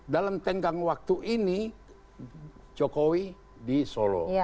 dalam tenggang waktu ini jokowi di solo